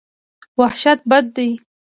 وحشت بد دی.